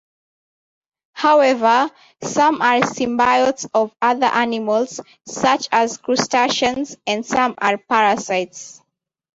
However, some are symbiotes of other animals, such as crustaceans, and some are parasites.